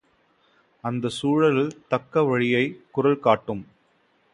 அந்தந்தச் சூழ்நிலையில் தக்க வழியை, குறள் காட்டும்!